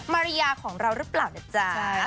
ทุกอย่างแฮปปี้มาก